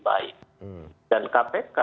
baik dan kpk